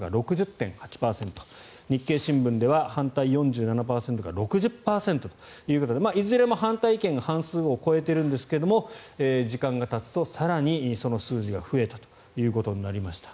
日経新聞では反対４７％が６０％ということでいずれも反対意見が半数を超えているんですが時間がたつと更にその数字が増えたということになりました。